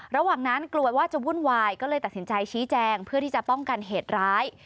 ระหว่างนั้นกลัวว่าจะวุ่นวายก็เลยตัดสินใจชี้แจงเพื่อที่จะป้องกันเหตุร้าย